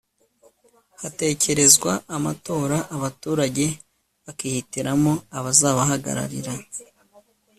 hatekerezwa amatora, abaturage bakihitiramo abazabahagararira